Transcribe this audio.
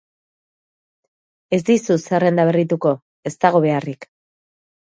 Ez dizut zerrenda berrituko, ez dago beharrik.